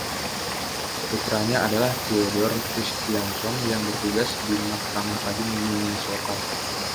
Putranya adalah Theodore Christianson yang bertugas di Mahkamah Agung Minnesota.